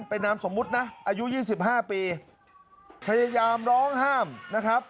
เป็นนามสมมุตินะอายุ๒๕ปีพยายามร้องห้ามนะครับ